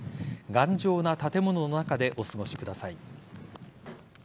頑丈な建物の中でお過ごしください。